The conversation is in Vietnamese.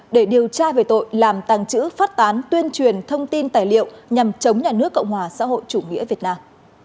để điều tra về tội làm tàng trữ phát tán tuyên truyền thông tin tài liệu nhằm chống nhà nước cộng hòa xã hội chủ nghĩa việt nam